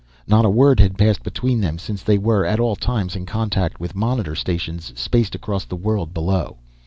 Not a word had passed between them, since they were at all times in contact with monitor stations spaced across the world below.